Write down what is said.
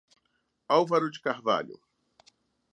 Álvaro de Carvalho